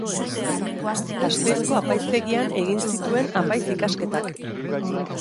Gasteizko apaizgaitegian egin zituen apaiz ikasketak.